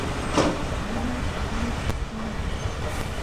• مینه د زړونو تسکین دی.